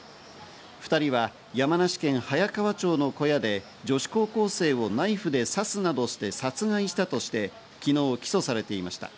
２人は山梨県早川町の小屋で女子高校生をナイフで刺すなどして殺害したとして、昨日起訴されていました。